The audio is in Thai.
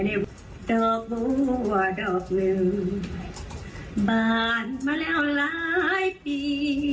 ดอกบัวดอกวิวบานมาแล้วหลายปี